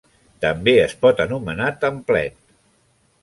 També es pot anomenar templet.